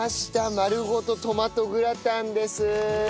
まるごとトマトグラタンです。